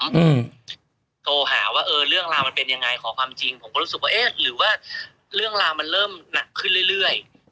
อืมโทรหาว่าเออเรื่องราวมันเป็นยังไงขอความจริงผมก็รู้สึกว่าเอ๊ะหรือว่าเรื่องราวมันเริ่มหนักขึ้นเรื่อยเรื่อย